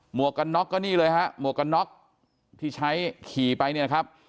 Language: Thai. วกกันน็อกก็นี่เลยฮะหมวกกันน็อกที่ใช้ขี่ไปเนี่ยนะครับ